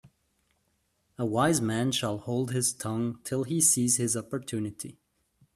A wise man shall hold his tongue till he sees his opportunity.